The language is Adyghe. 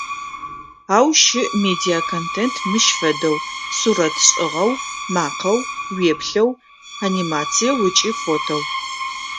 Ау щыӏ медиаконтент мыщ фэдэу: сурэт шӏыгъэу, макъэу, уеплъэу, анимациеу ыкӏи фотэу.